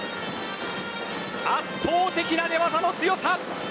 圧倒的な寝技の強さ！